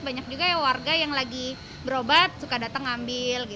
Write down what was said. banyak juga ya warga yang lagi berobat suka datang ambil